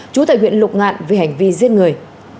chú tại huyện lục ngạn vì hành vi giết người